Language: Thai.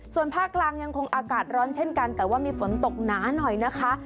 ส่วนภาคกลางยังคงอากาศร้อนเช่นกันแต่ว่ามีฝนตกหนาหน่อยนะคะ